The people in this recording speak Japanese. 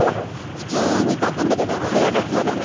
普通に炊くんだけど早炊きは駄目。